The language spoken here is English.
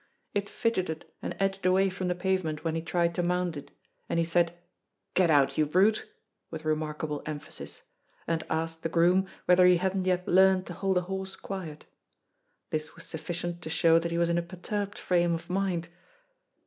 It fidgeted and edged away from the pavement when he tried to mount it, and he said, "Get out, you brute," with remarkable emphasis, and asked the groom whether he hadn't yet learned to hold a horse quiet. This was sufficient to show that he was in a perturbed frame of mind.